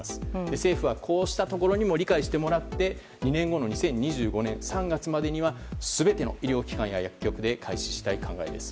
政府はこうしたところにも理解してもらって２年後の２０２５年３月までには全ての医療機関や薬局で開始したい考えです。